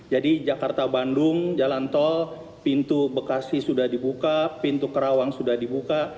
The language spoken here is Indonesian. jakarta bandung jalan tol pintu bekasi sudah dibuka pintu kerawang sudah dibuka